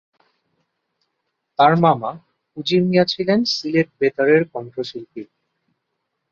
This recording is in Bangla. তার মামা উজির মিয়া ছিলেন সিলেট বেতারের কণ্ঠশিল্পী।